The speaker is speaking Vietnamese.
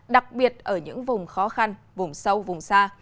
đặc biệt ở những vùng khó khăn vùng sâu vùng xa